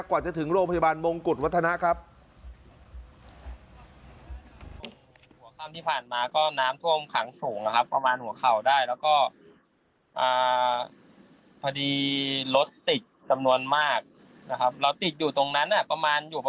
กว่าจะถึงโรงพยาบาลมงกุฎวัฒนะครับ